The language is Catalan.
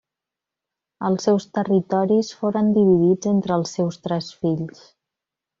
Els seus territoris foren dividits entre els seus tres fills.